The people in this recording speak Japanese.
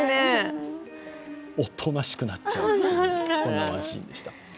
おとなしくなっちゃう、そんなワンシーンでした。